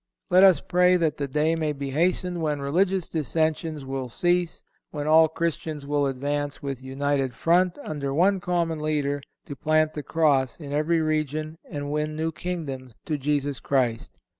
(173) Let us pray that the day may be hastened when religious dissensions will cease; when all Christians will advance with united front, under one common leader, to plant the cross in every region and win new kingdoms to Jesus Christ.